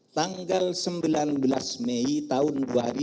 tanggal sembilan belas mei tahun dua ribu dua puluh